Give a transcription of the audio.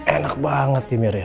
enak banget ya mirnya